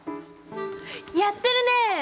やってるねえ！